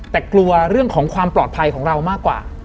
แต่กลัวเรื่องของความปลอดภัยของเรามากกว่า